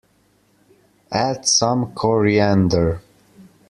Add some coriander.